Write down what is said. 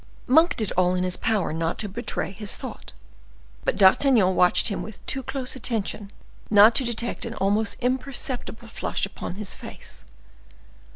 Monk did all in his power not to betray his thought, but D'Artagnan watched him with too close attention not to detect an almost imperceptible flush upon his face.